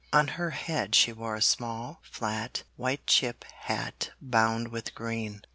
On her head she wore a small, flat, white chip hat bound with green.